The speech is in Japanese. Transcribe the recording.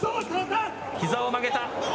ひざを曲げた。